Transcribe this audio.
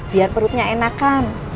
biar perutnya enakan